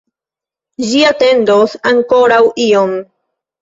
Ĝi atendos ankoraŭ iom.